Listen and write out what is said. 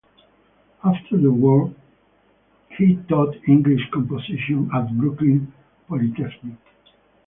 After the war, he taught English composition at Brooklyn Polytechnic.